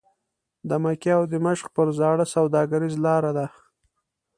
د مکې او دمشق پر زاړه سوداګریزه لاره ده.